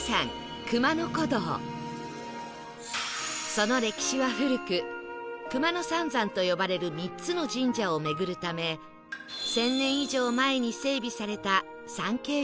その歴史は古く熊野三山と呼ばれる３つの神社を巡るため１０００年以上前に整備された参詣道で